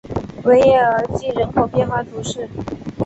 维耶尔济人口变化图示